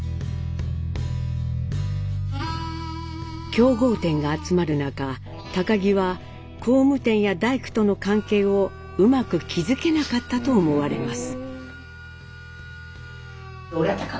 競合店が集まる中儀は工務店や大工との関係をうまく築けなかったと思われます。